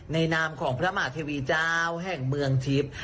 นามของพระมหาเทวีเจ้าแห่งเมืองทิพย์